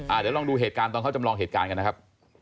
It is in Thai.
เดี๋ยวลองดูเหตุการณ์ตอนเขาจำลองเหตุการณ์กันนะครับ